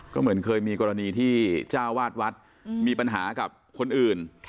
ก็เหมือนเคยมีกรณีที่เจ้าวาดวัดมีปัญหากับคนอื่น